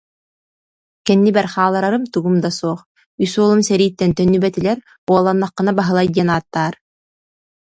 Кэннибэр хаалларарым тугум да суох, үс уолум сэрииттэн төннүбэтилэр, уолланнаххына Баһылай диэн ааттаар